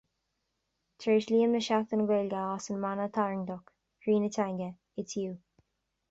Tréaslaím le Seachtain na Gaeilge as a mana tarraingteach "Croí na Teanga: It's you".